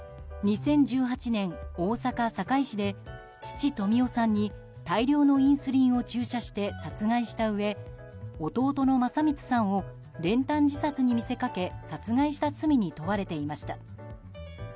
２０１８年、大阪・堺市で父・富夫さんに大量のインスリンを注射して殺害したうえ弟の聖光さんを練炭自殺に見せかけ殺害した罪に問われていました。